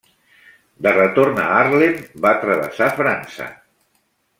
De retorn a Haarlem va travessar França.